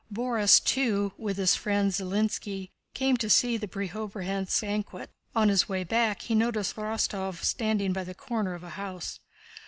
Borís, too, with his friend Zhilínski, came to see the Preobrazhénsk banquet. On his way back, he noticed Rostóv standing by the corner of a house.